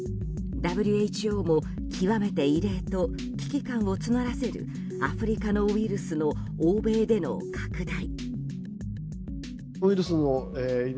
ＷＨＯも極めて異例と危機感を募らせるアフリカのウイルスの欧米での拡大。